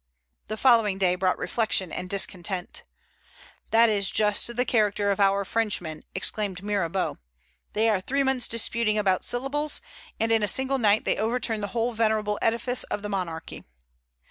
The following day brought reflection and discontent. "That is just the character of our Frenchmen," exclaimed Mirabeau; "they are three months disputing about syllables, and in a single night they overturn the whole venerable edifice of the monarchy."